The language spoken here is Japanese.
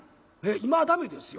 今は駄目ですよ。